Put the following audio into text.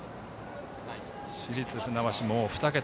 市立船橋も２桁。